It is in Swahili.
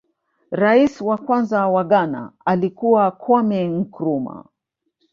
rais wa kwanza wa ghana alikuwa kwame nkurumah